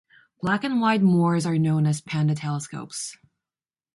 Black-and-white moors are known as panda telescopes.